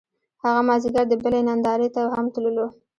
هغه مازیګر د بلۍ نندارې ته هم تللو